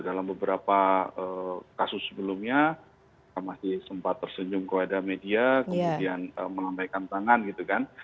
dalam beberapa kasus sebelumnya masih sempat tersenyum kewajah media kemudian melampaikan tangan gitu kan